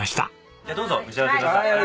じゃあどうぞ召し上がってください。